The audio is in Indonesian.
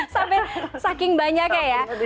sampai saking banyak ya